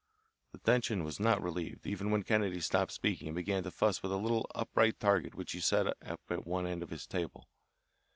The tension was not relieved even when Kennedy stopped speaking and began to fuss with a little upright target which he set up at one end of his table.